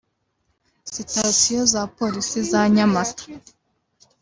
Sitasiyo za Polisi za Nyamata